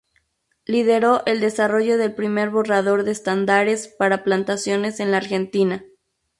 Lideró el desarrollo del primer borrador de Estándares para Plantaciones en la Argentina.